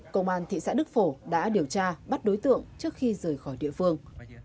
công an thị xã đức phổ đã điều tra bắt đối tượng trước khi rời khỏi địa phương